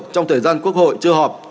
trong thời gian quốc hội chưa họp